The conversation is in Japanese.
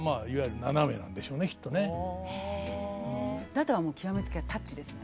あとは極め付きはタッチですね。